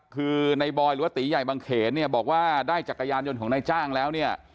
คือในบอยหรือว่าตีใหญ่บางเขนเนี่ยบอกว่าได้จักรยานยนต์ของนายจ้างแล้วเนี่ย